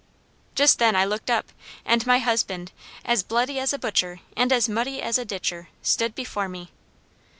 "Just then I looked up, and my husband, as bloody as a butcher, and as muddy as a ditcher, stood before me.